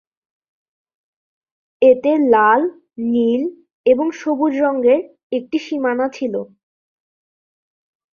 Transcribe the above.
এতে লাল, নীল এবং সবুজ রঙের একটি সীমানা ছিল।